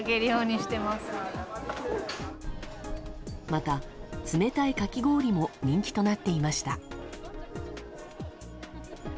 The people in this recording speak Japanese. また、冷たいかき氷も人気となっていました。